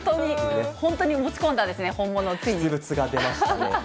本当に持ち込んだんですね、実物が出ましたね。